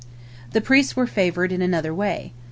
The priests were favored in another way.